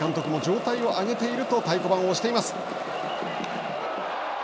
新井監督も状態を上げていると太鼓判を押しています。